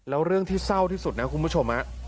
แล้วเรื่องที่เศร้าที่สุดนะคุณผู้ชม